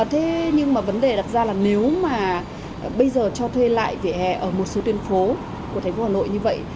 thế nhưng mà vấn đề đặt ra là nếu mà bây giờ cho thuê lại vỉa hè ở một số tuyên phố của thành phố hà nội như vậy